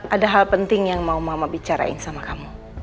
ada hal penting yang mau mama bicarain sama kamu